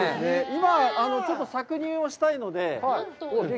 今ちょっと搾乳をしたいので。